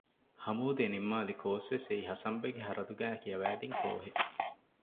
ހަމޫދް އެ ނިންމާލި ކޯސްވެސް އެއީ ހަސަންބެގެ ހަރަދުގައި ކިޔަވަދިން ކޯހެއް